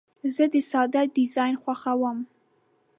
زه د ساده ډیزاین خوښوم.